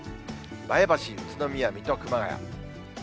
前橋、宇都宮、水戸、熊谷。